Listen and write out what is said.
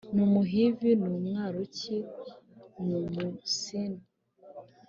n Umuhivi n Umwaruki n Umusini